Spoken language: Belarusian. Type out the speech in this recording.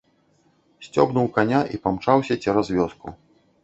Сцёбнуў каня і памчаўся цераз вёску.